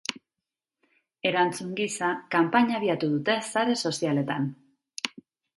Erantzun gisa, kanpaina abiatu dute sare sozialetan.